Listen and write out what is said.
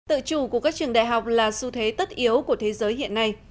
tự chủ của các trường đại học là xu thế tất yếu của thế giới hiện nay